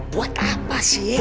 buat apa sih